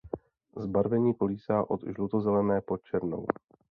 Zbarvení kolísá od žlutozelené po černou.